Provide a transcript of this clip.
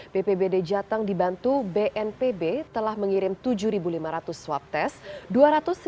bpbd jateng dibantu bnpb telah mengirim tujuh lima ratus swab test